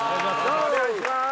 お願いします